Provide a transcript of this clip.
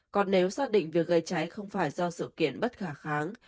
còn nếu xác định việc gây cháy không phải do sự kiện bất khả kháng